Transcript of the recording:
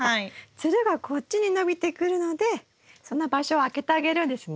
つるがこっちに伸びてくるのでその場所を空けてあげるんですね。